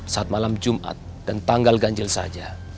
saat malam jumat dan tanggal ganjil saja